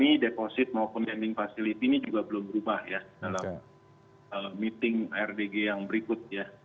dipakai dengan kondisi internal maupun lending facility ini juga belum berubah ya dalam meeting rdg yang berikut ya